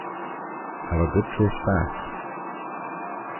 Have a good trip back.